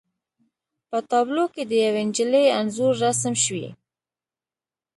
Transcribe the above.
په تابلو کې د یوې نجلۍ انځور رسم شوی و